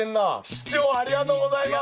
市長ありがとうございます。